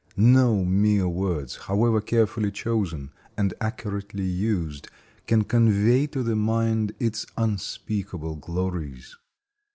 No mere words, however carefully chosen and accurately used, can convey to the mind its unspeakable glories.